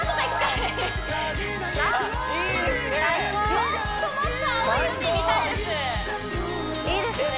もっともっと青い海見たいですいいですね